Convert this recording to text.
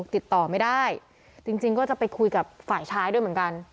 ติดต่อไม่ได้จริงก็จะไปคุยกับฝ่ายชายด้วยเหมือนกัน